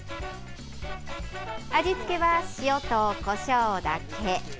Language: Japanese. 味付けは塩とこしょうだけ。